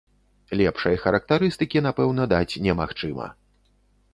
Лепшай характарыстыкі, напэўна, даць немагчыма!